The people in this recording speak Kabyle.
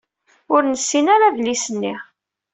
Ur nessin ara adlis-nni.